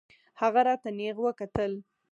هغه راته نېغ وکتل.